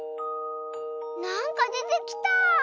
なんかでてきた！